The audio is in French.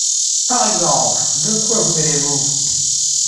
Par exemple ! de quoi vous mêlez-vous ?